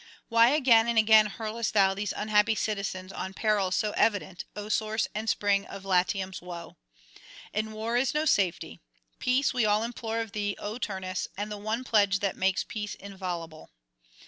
Why again and again hurlest thou these unhappy citizens on peril so evident, O source and spring of Latium's woes? In war is no safety; peace we all implore of thee, O Turnus, and the one pledge that makes peace inviolable.